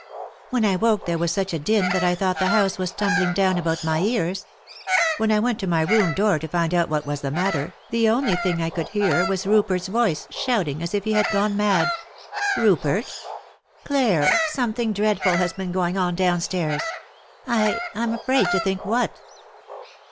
" When I woke there was such a din that I thought the house was tumbling down about my ears. When I went to my room door to find out what was the matter, the only thing I could hear was Rupert's voice, shouting as if he had gone mad." "Rupert?" " Clare, something dreadful has been going on down stairs. I — I'm afraid to think what."